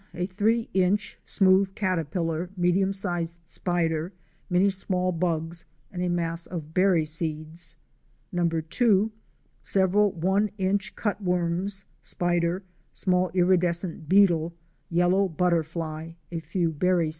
A three inch, smooth caterpillar, medium sized spider, many small bugs, and a mass of berry seeds. 2. Several one inch cut worms; spider; small iridescent beetle; yellow butterfly; a few berry seeds.